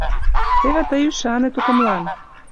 — Теве тый ӱшане тукымлан...